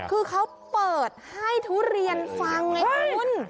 คือเขาเปิดให้ทุเรียนฟังไงคุณ